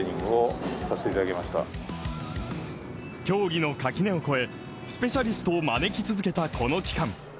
競技の垣根を越えスペシャリストを招き続けたこの期間。